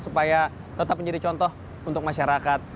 supaya tetap menjadi contoh untuk masyarakat